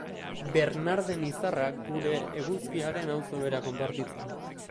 Barnarden izarrak gure eguzkiaren auzo bera konpartitzen du.